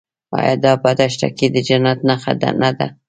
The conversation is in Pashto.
آیا دا په دښته کې د جنت نښه نه ده؟